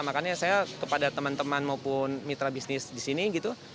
makanya saya kepada teman teman maupun mitra bisnis di sini gitu